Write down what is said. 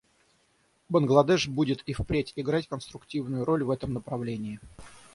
Бангладеш будет и впредь играть конструктивную роль в этом направлении.